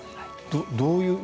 どういう柊。